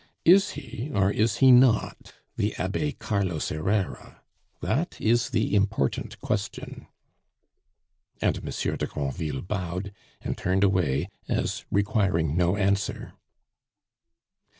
Is he or is he not the Abbe Carlos Herrera? That is the important question." And Monsieur de Granville bowed, and turned away, as requiring no answer.